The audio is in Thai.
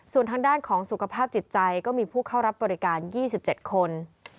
ส่วนทางด้านของสุขภาพจิตใจก็มีผู้เข้ารับบริการ๒๗คน